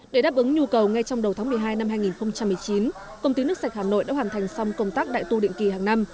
để đáp ứng nhu cầu ngay trong đầu tháng một mươi hai năm hai nghìn một mươi chín công ty nước sạch hà nội đã hoàn thành xong công tác đại tu định kỳ hàng năm